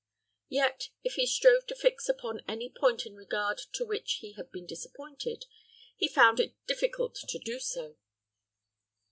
Yet, if he strove to fix upon any point in regard to which he had been disappointed, he found it difficult to do so.